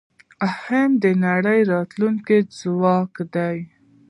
هند د نړۍ راتلونکی ځواک دی.